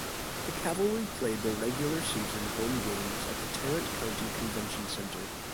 The Cavalry played their regular season home games at the Tarrant County Convention Center.